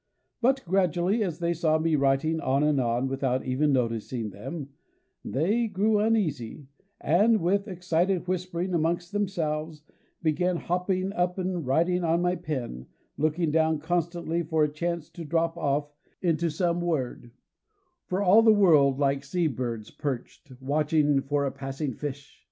But gradually as they saw me writing on and on, without even noticing them, they grew uneasy; and, with excited whisperings amongst themselves, began hopping up and riding on my pen, looking down constantly for a chance to drop off into some word; for all the world like sea birds perched, watching for a passing fish!